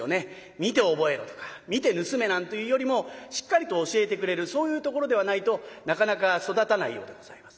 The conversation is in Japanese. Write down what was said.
見て覚えろとか見て盗めなんていうよりもしっかりと教えてくれるそういうところではないとなかなか育たないようでございます。